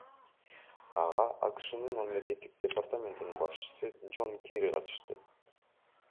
Ага АКШнын Мамлекеттик департаментинин башчысы Жон Керри катышты.